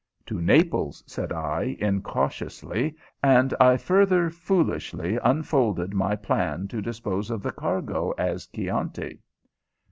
"To Naples," said I, incautiously, and I further foolishly unfolded my plan to dispose of the cargo as Chianti.